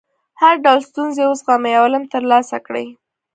هر ډول ستونزې وزغمئ او علم ترلاسه کړئ.